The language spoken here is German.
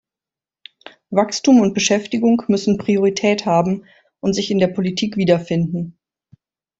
Wachstum und Beschäftigung müssen Priorität haben und sich in der Politik wiederfinden.